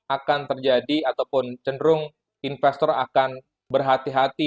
akan terjadi ataupun cenderung investor akan berhati hati